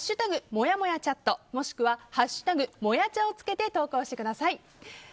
「＃もやもやチャット」もしくは「＃もやチャ」をつけて投稿してください。